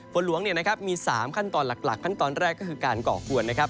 ฝนหลวงมี๓ขั้นตอนหลักขั้นตอนแรกก็คือการก่อกวนนะครับ